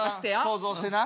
想像してな。